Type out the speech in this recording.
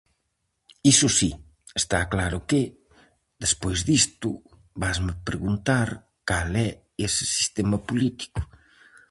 Iso si; está claro que, despois disto, vasme preguntar cal é ese sistema político.